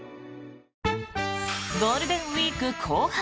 ゴールデンウィーク後半。